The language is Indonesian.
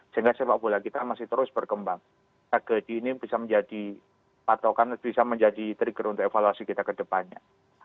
sehingga sepak bola kita masih terus berkembang tragedi ini bisa menjadi patokan bisa menjadi trigger untuk evaluasi kita ke depannya